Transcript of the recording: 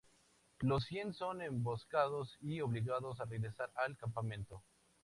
Los cien son emboscados y obligados a regresar al campamento.